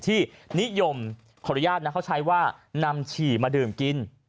ที่นิยมขออนุญาตนะเขาใช้ว่านำฉี่มาดื่มกิน